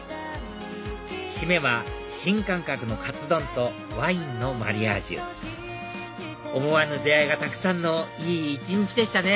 締めは新感覚のカツ丼とワインのマリアージュ思わぬ出会いがたくさんのいい一日でしたね